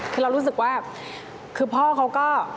คือเรารู้สึกว่าคือพ่อเขาก็